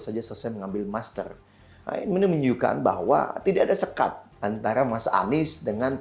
saja selesai mengambil master ini menunjukkan bahwa tidak ada sekat antara mas anies dengan